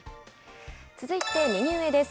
続いて右上です。